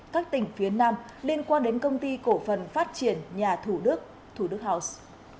các tỉnh phía nam liên quan đến công ty cổ phần phát triển nhà thủ đức thủ đức house